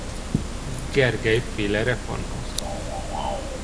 Gergely féle reformhoz.